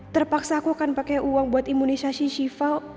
terpaksa aku akan pakai uang buat imunisasi shiva